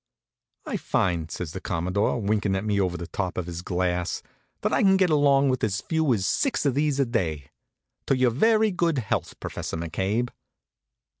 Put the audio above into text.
"I find," says the Commodore, winkin' at me over the top of his glass, "that I can get along with as few as six of these a day. To your very good health, Professor McCabe."